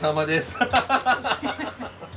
ハハハハ！